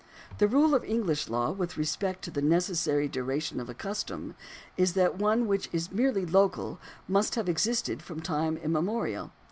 ^ The rule of English law with respect to the neces sary duration of a custom is that one which is merely local must have existed from time immemorial.